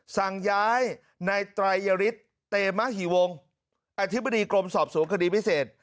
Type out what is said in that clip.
สั่งย้ายในไตรยฤทธิ์เตมหิวงศ์อธิบดีกรมสอบสวนคดีพิเศษ